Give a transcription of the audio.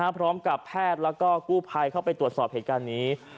พร้อมกับแพทย์แล้วก็กู้ภัยเข้าไปตรวจสอบเหตุการณ์นี้